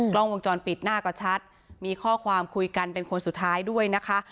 กล้องวงจรปิดหน้าก็ชัดมีข้อความคุยกันเป็นคนสุดท้ายด้วยนะคะ